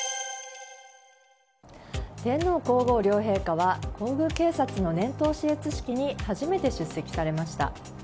天皇・皇后両陛下は皇宮警察の年頭視閲式に初めて出席されました。